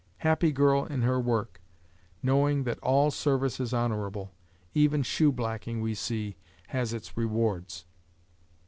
Happy girl in her work, knowing that all service is honorable. Even shoe blacking, we see, has its rewards.